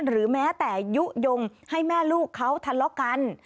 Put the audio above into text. หรือแม้แต่ยุโยงให้แม่ลูกเขาทะเลาะกัน